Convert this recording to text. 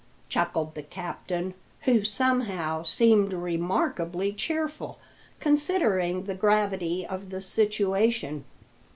chuckled the captain, who, somehow, seemed remarkably cheerful, considering the gravity of the situation.